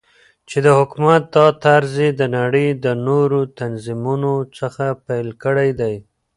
چې دحكومت دا طرز يي دنړۍ دنورو تنظيمونو څخه بيل كړى دى .